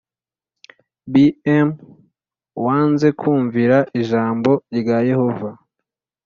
Bm wanze kumvira ijambo rya Yehova